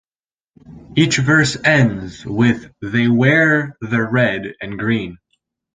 Each verse ends with, "They wear the Red and Green".